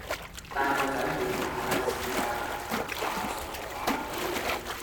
帶個仔去下阿拉斯加呀，亞馬遜河呀果啲